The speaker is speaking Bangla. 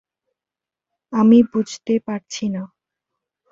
আমি বুঝতে পারছি না।